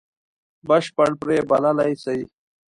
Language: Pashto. بشپړ بری بللای سي.